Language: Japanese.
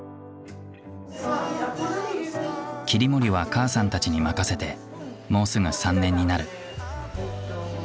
切り盛りは母さんたちに任せてもうすぐ３年になる。